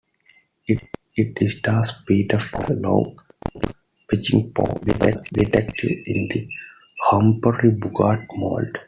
It stars Peter Falk as Lou Peckinpaugh, a detective in the Humphrey Bogart mold.